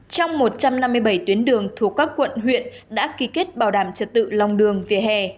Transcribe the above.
trong một trăm năm mươi bảy tuyến đường thuộc các quận huyện đã ký kết bảo đảm trật tự lòng đường vỉa hè